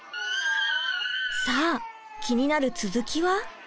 さあ気になる続きは？